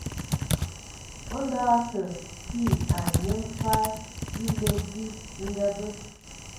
Ndɔ a akə kii ai nye mfag èle dzi e ngabe.